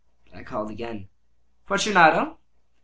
I called again— "Fortunato!"